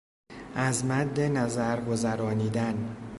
از مد نظر گذارانیدن